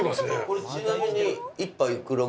これちなみに。